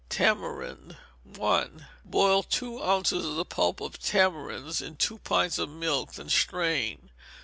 Tamarind. (1) Boil two ounces of the pulp of tamarinds in two pints of milk, then strain.